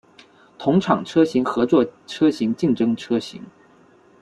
同厂车型合作车型竞争车型